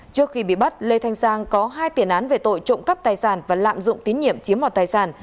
trước khi bị bắt lê thanh giang có hai tiền án về tội trộm cắp tài sản và lạm dụng tín nhiệm chiếm mọt tài sản